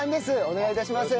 お願い致します。